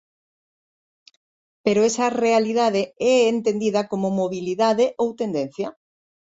Pero esa realidade é entendida como mobilidade ou tendencia.